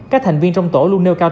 các thành viên trong tổ luôn nêu cao